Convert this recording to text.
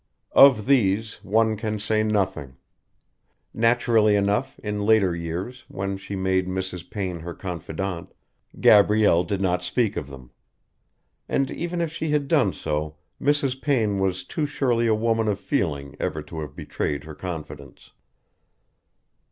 Of these one can say nothing. Naturally enough, in later years, when she made Mrs. Payne her confidante, Gabrielle did not speak of them. And even if she had done so Mrs. Payne was too surely a woman of feeling ever to have betrayed her confidence.